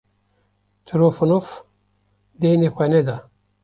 Trifonof deynê xwe neda.